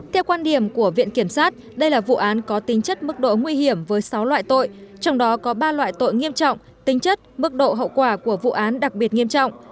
theo quan điểm của viện kiểm sát đây là vụ án có tính chất mức độ nguy hiểm với sáu loại tội trong đó có ba loại tội nghiêm trọng tính chất mức độ hậu quả của vụ án đặc biệt nghiêm trọng